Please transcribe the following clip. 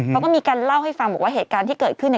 เขาก็มีการเล่าให้ฟังบอกว่าเหตุการณ์ที่เกิดขึ้นเนี่ย